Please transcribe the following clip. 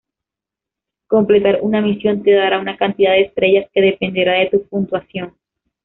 Completar una misión te dará una cantidad de estrellas que dependerá de tu puntuación.